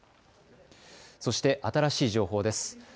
そして新しい情報です。